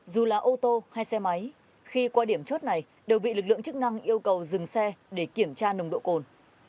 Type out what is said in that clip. dù là ô tô hay xe máy khi qua điểm chốt này đều bị lực lượng chức năng yêu cầu dừng xe để kiểm tra nồng độ cồn